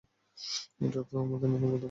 এটাই তোমার নতুন গন্তব্য।